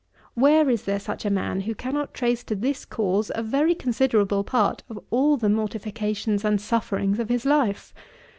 Where is there such a man, who cannot trace to this cause a very considerable part of all the mortifications and sufferings of his life?